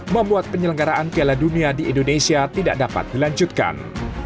membuat penyelenggaraan piala dunia di indonesia tidak dapat dilanjutkan